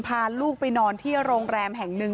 พาลูกไปนอนที่โรงแรมแห่งหนึ่ง